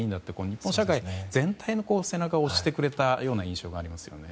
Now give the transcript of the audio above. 日本社会全体の背中を押してくれたような印象がありますよね。